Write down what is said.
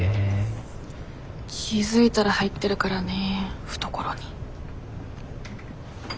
気付いたら入ってるからね懐に。